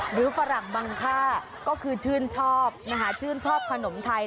ฝรั่งบางค่าก็คือชื่นชอบนะคะชื่นชอบขนมไทย